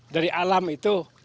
dari alam itu